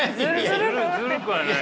ずるくない。